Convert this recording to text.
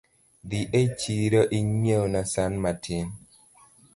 Dhi e chiro ing'iewna san matin